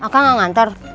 aku enggak ngantar